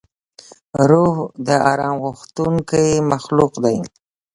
روح د آرام غوښتونکی مخلوق دی.